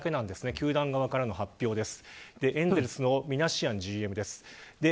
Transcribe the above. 球団側からの発表です。